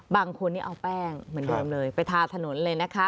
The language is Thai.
บางคนนี่เอาแป้งเหมือนเดิมเลยไปทาถนนเลยนะคะ